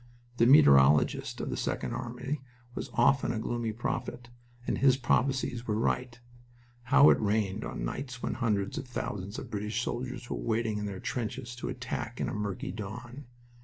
The meteorologist of the Second Army was often a gloomy prophet, and his prophecies were right. How it rained on nights when hundreds of thousands of British soldiers were waiting in their trenches to attack in a murky dawn!...